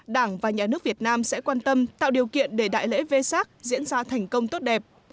đảng và nhà nước việt nam sẽ quan tâm tạo điều kiện để đại lễ v sac diễn ra thành công tốt đẹp